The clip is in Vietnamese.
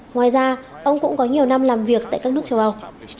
ngoài ra ông cũng có nhiều năm làm việc tại các nước châu âu